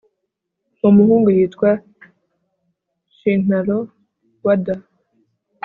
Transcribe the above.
Uwo muhungu yitwa Shintaro Wada